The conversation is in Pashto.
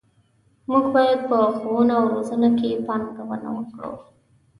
موږ باید په ښوونه او روزنه کې پانګونه وکړو.